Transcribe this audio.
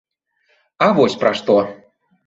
А вось пра што.